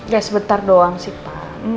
ya sebentar doang sih pak